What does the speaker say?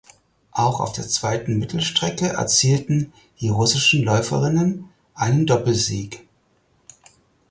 Auch auf der zweiten Mittelstrecke erzielten die russischen Läuferinnen einen Doppelsieg.